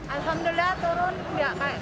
alhamdulillah turun tidak kayak kemasan